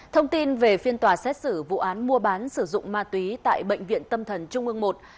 thông tin về phiên tòa xét xử vụ án mua bán sử dụng ma túy tại bệnh viện tâm thần trung ương i